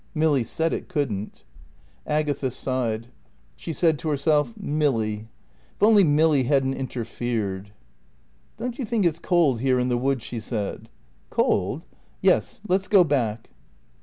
"Milly said it couldn't." Agatha sighed. She said to herself, "Milly if only Milly hadn't interfered." "Don't you think it's cold here in the wood?" she said. "Cold?" "Yes. Let's go back."